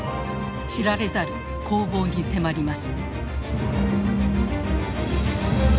知られざる攻防に迫ります。